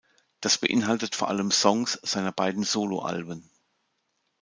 Das beinhaltet vor allem Songs seiner beiden Solo-Alben.